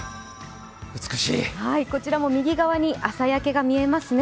こちらも右側に朝焼けが見えますね。